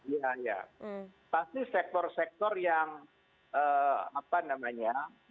iya iya pasti sektor sektor yang apa namanya